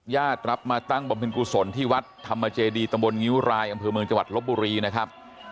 ญาติรับมาตั้งบำเพ็ญกุศลที่วัดธรรมเจดีตำบลงิ้วรายอำเภอเมืองจังหวัดลบบุรีนะครับ